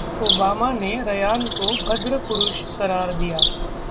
Obama ने Ryan को भद्र पुरुष करार दिया